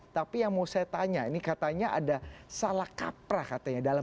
tapi yang mau saya tanya ini katanya ada salah kaprah katanya